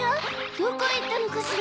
どこいったのかしら。